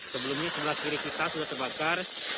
sebelumnya sebelah kiri kita sudah terbakar